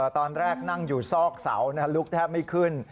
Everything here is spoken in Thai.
ตอนแรกนั่งอยู่ซอกเสาลุกแทบไม่ขึ้น